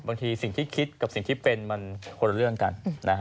บางทีสิ่งที่คิดกับสิ่งที่เป็นมันคนละเรื่องกัน